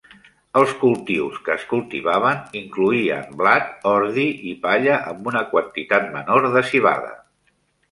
Els cultius que es cultivaven incloïen blat, ordi i palla amb una quantitat menor de civada.